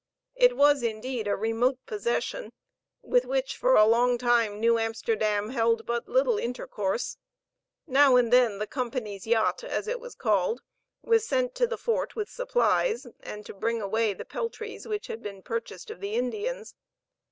It was, indeed, a remote possession, with which, for a long time, New Amsterdam held but little intercourse. Now and then the "Company's Yacht," as it was called, was sent to the Fort with supplies, and to bring away the peltries which had been purchased of the Indians.